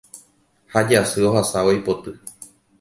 Ha jasy ohasávo ipoty